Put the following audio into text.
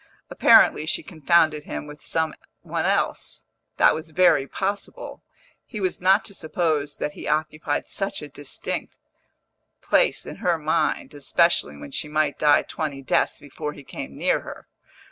Apparently she confounded him with some one else, that was very possible; he was not to suppose that he occupied such a distinct place in her mind, especially when she might die twenty deaths before he came near her.